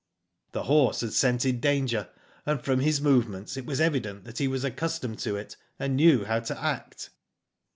"The horse had scented danger, and from his movements it was evident he was accustomed to it, and knew how to act.